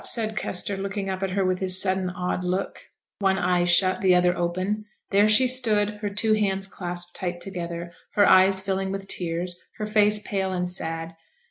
said Kester, looking up at her with his sudden odd look, one eye shut, the other open: there she stood, her two hands clasped tight together, her eyes filling with tears, her face pale and sad.